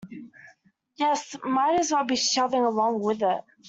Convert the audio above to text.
Yes, might as well be shoving along with it.